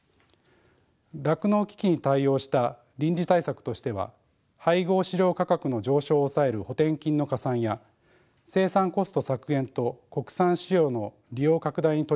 酪農危機に対応した臨時対策としては配合飼料価格の上昇を抑える補填金の加算や生産コスト削減と国産飼料の利用拡大に取り組む酪農家への支援。